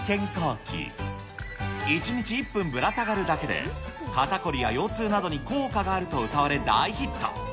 １日１分ぶらさがるだけで、肩凝りや腰痛などに効果があるとうたわれ、大ヒット。